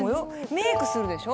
メイクするでしょ。